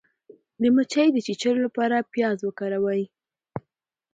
د مچۍ د چیچلو لپاره پیاز وکاروئ